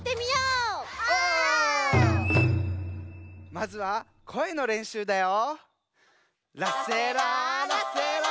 まずはこえのれんしゅうだよ。